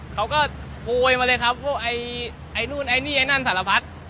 เขาก็โอยมาเลยครับพวกไอ้นู่นไอ้นี่ไอ้นั่นสารพัด